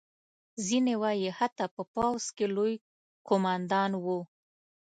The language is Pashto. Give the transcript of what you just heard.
ځینې وایي حتی په پوځ کې لوی قوماندان وو.